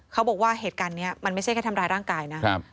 เขาบอกว่าเหตุการณ์นี้มันไม่ใช่แค่ทำร้ายร่างกายนะ